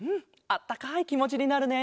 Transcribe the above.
あったかいきもちになるね。